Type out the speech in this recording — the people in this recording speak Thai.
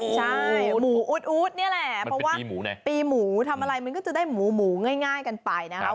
ใช่หมูอู๊ดนี่แหละเพราะว่าปีหมูทำอะไรมันก็จะได้หมูหมูง่ายกันไปนะครับ